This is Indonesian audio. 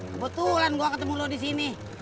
kebetulan gue ketemu lo disini